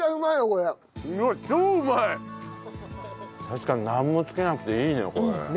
確かになんもつけなくていいねこれ。